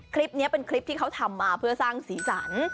คลิปนี้เป็นคลิปที่เขาทำมาเพื่อสร้างสีสัน